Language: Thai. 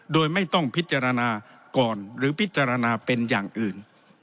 โดยไม่ต้องพิจารณาก่อนหรือพิจารณาเป็นอย่างอื่น